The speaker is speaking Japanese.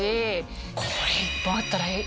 これ１本あったらいい。